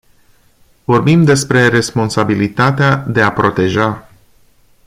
Vorbim despre responsabilitatea de a proteja.